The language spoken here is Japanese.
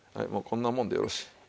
もうこんなもんでよろしい。